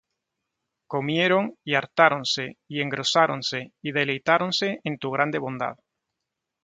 comieron, y hartáronse, y engrosáronse, y deleitáronse en tu grande bondad.